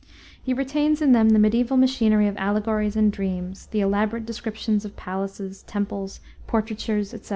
He retains in them the mediaeval machinery of allegories and dreams, the elaborate descriptions of palaces, temples, portraitures, etc.